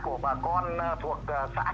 của bà con thuộc xã trung thành